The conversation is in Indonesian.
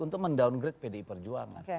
untuk mendowngrade pdi perjuangan